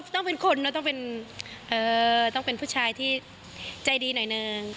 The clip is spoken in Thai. ต้องเป็นคนแล้วต้องเป็นผู้ชายที่ใจดีหน่อยนึง